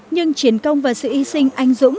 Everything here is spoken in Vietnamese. nhưng chiến công và sự y sinh anh dũng